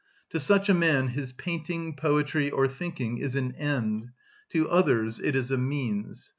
To such a man his painting, poetry, or thinking is an end; to others it is a means.